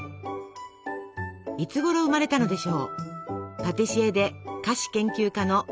いつごろ生まれたのでしょう？